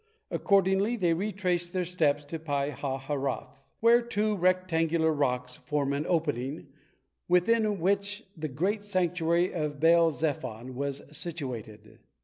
Accordingly, they retraced their steps to Pi hahiroth, where two rectangular rocks form an opening, within which the great sanctuary of Baal zephon was situated.